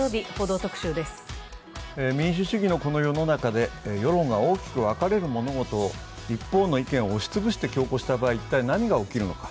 民主主義のこの世の中で世論が大きく分かれる物事を一方の意見を押しつぶして強行した場合、一体何が起きるのか。